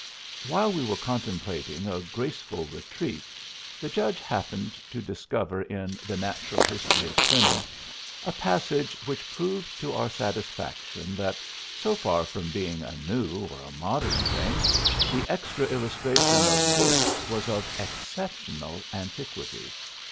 While we were contemplating a graceful retreat the Judge happened to discover in the "Natural History" of Pliny a passage which proved to our satisfaction that, so far from being a new or a modern thing, the extra illustration of books was of exceptional antiquity.